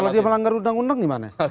kalau dia melanggar undang undang gimana